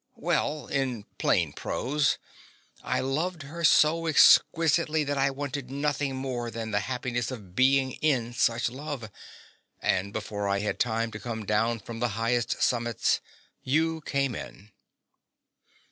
Well, in plain prose, I loved her so exquisitely that I wanted nothing more than the happiness of being in such love. And before I had time to come down from the highest summits, you came in.